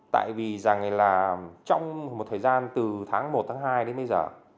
tại vì rằng là trong một thời gian từ tháng một tháng hai đến bây giờ